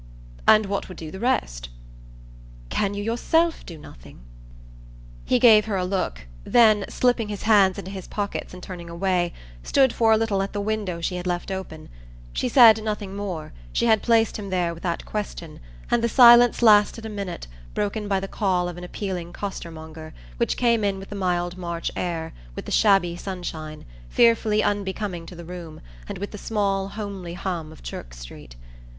"And what would do the rest?" "Can you yourself do nothing?" He gave her a look; then, slipping his hands into his pockets and turning away, stood for a little at the window she had left open. She said nothing more she had placed him there with that question, and the silence lasted a minute, broken by the call of an appealing costermonger, which came in with the mild March air, with the shabby sunshine, fearfully unbecoming to the room, and with the small homely hum of Chirk Street.